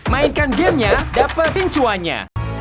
mainkan gamenya dapet incuannya